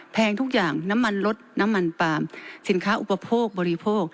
แพงทุกอย่างน้ำมันลดน้ำมันปาล์มสินค้าอุปโภคบริโภค